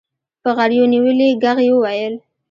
په غريو نيولي ږغ يې وويل.